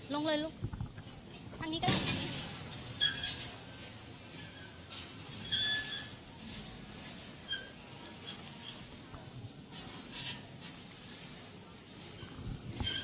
ลงเลยลง